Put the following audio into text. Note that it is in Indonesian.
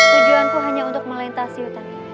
tujuanku hanya untuk melintasi hutan